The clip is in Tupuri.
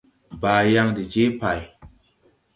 Baayaŋ de jee pày.